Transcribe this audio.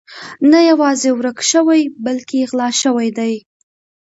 نه یوازې ورک شوي بلکې غلا شوي دي.